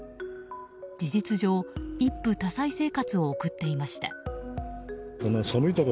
事実上、一夫多妻生活を送っていました。